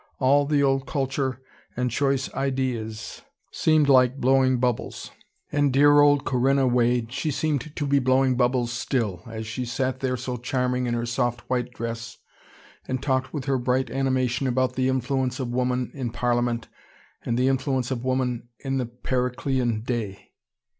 All the old culture and choice ideas seemed like blowing bubbles. And dear old Corinna Wade, she seemed to be blowing bubbles still, as she sat there so charming in her soft white dress, and talked with her bright animation about the influence of woman in Parliament and the influence of woman in the Periclean day.